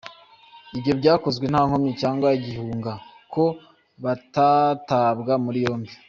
Ibyo byakozwe nta nkomyi cyangwa igihunga, ko batatabwa muri yombi.